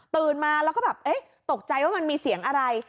มาแล้วก็แบบเอ๊ะตกใจว่ามันมีเสียงอะไร